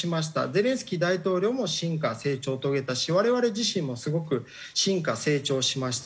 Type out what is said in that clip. ゼレンスキー大統領も進化成長を遂げたし我々自身もすごく進化成長しました。